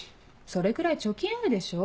それくらい貯金あるでしょ？